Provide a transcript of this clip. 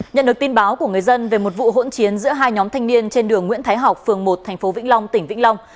nhận được tin báo của người dân về một vụ hỗn chiến giữa hai nhóm thanh niên trên đường nguyễn thái học phường một tp vĩnh long tỉnh vĩnh long